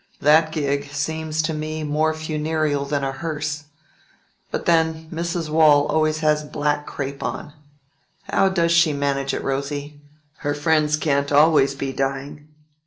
That gig seems to me more funereal than a hearse. But then Mrs. Waule always has black crape on. How does she manage it, Rosy? Her friends can't always be dying."